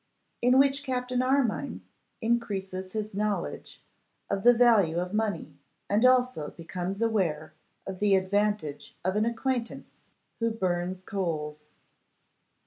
_In Which Captain Armine Increases His Knowledge of the Value of Money, and Also Becomes Aware of the Advantage of an Acquaintance Who Burns Coals_.